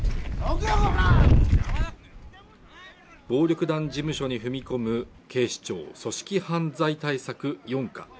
暴力団事務所に踏み込む警視庁組織犯罪対策四課